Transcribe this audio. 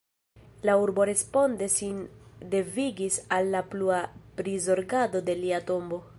La urbo responde sin devigis al la plua prizorgado de lia tombo.